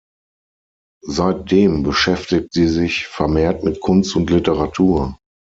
Seitdem beschäftigt sie sich vermehrt mit Kunst und Literatur.